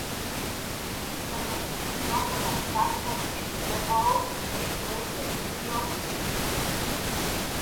Er wuchs im Londoner Stadtteil Ilford auf und lebt heute in New York City.